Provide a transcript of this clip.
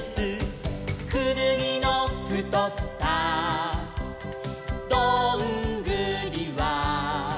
「くぬぎのふとったどんぐりは」